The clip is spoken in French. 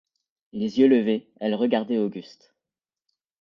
Les yeux levés, elle regardait Auguste.